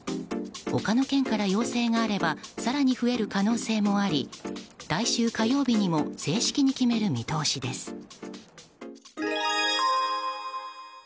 他の県から要請があれば更に増える可能性もあり来週火曜日にも正式に決める見通しです。